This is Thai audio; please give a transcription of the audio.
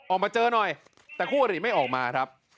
ออกมาเจอหน่อยแต่คู่อริไม่ออกมาครับ